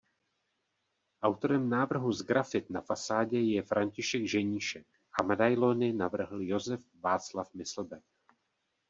Autorem návrhů sgrafit na fasádě je František Ženíšek a medailony navrhl Josef Václav Myslbek.